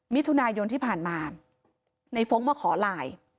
มิถุนายนที่ผ่านมาในฟ้องมาขอไลน์